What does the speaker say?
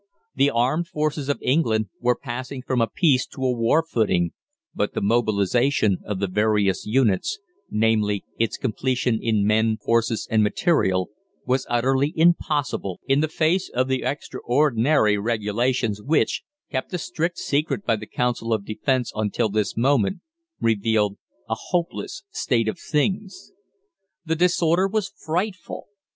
The armed forces of England were passing from a peace to a war footing; but the mobilisation of the various units namely, its completion in men, horses, and material was utterly impossible in the face of the extraordinary regulations which, kept a strict secret by the Council of Defence until this moment, revealed a hopeless state of things. The disorder was frightful.